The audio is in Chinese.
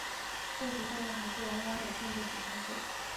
现实中的函数往往有更多的参数。